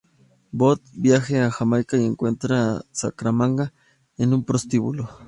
Bond viaja a Jamaica y encuentra a Scaramanga en un prostíbulo.